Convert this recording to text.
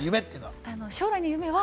将来の夢は。